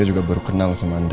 saya juga baru kenal sama andre